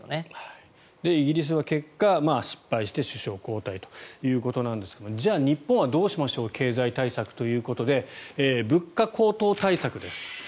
イギリスは結果、失敗して首相交代ということなんですがじゃあ、日本はどうしましょう経済対策ということで物価高騰対策です。